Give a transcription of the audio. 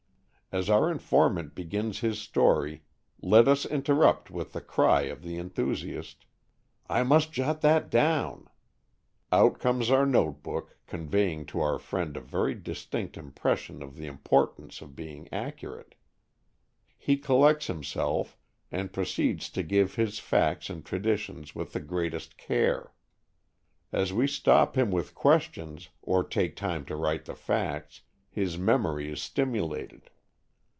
As our informant begins his story, let us interrupt with the cry of the enthusiast, "I must jot that down!" Out comes our notebook, conveying to our friend a very distinct impression of the importance of being accurate. He collects himself, and proceeds to give his facts and traditions with the greatest care. As we stop him with questions, or take time to write the facts, his memory is stimulated.